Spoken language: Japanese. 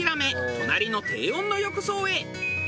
隣の低温の浴槽へ。